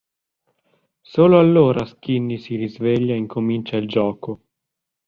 Solo allora Skinny si risveglia e incomincia il gioco.